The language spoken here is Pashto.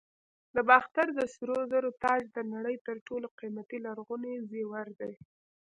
د باختر د سرو زرو تاج د نړۍ تر ټولو قیمتي لرغوني زیور دی